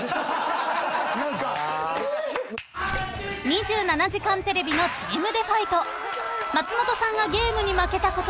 ［『２７時間テレビ』のチームＤＥファイト］